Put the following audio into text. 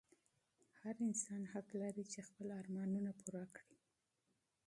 هر انسان حق لري چې خپل ارمانونه پوره کړي.